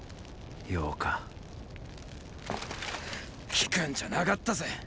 聞くんじゃなかったぜ。